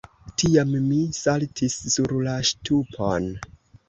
Tiam mi saltis sur la ŝtupon.